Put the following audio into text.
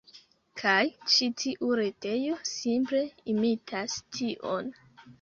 Kaj ĉi tiu retejo, simple imitas tion.